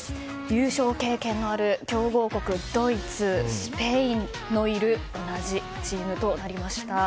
優勝経験のある強豪国ドイツ、スペインもいる同じグループとなりました。